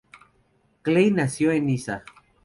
Klein nació en Niza.